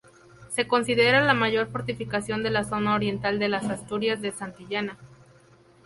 Se considera la mayor fortificación de la zona oriental de las Asturias de Santillana.